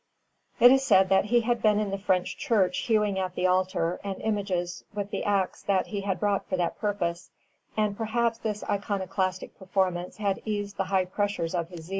49_] It is said that he had been seen in the French church hewing at the altar and images with the axe that he had brought for that purpose; and perhaps this iconoclastic performance had eased the high pressure of his zeal.